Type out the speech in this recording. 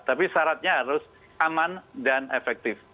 tapi syaratnya harus aman dan efektif